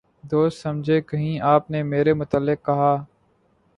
دوست سمجھے کہیں آپ نے میرے متعلق کہا